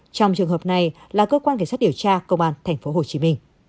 trong trường hợp này là cơ quan cảnh sát điều tra công an tp hcm